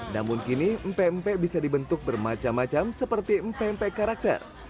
namun kini mpe mpe bisa dibentuk bermacam macam seperti mpe mpe karakter